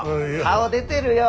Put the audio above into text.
顔出てるよ。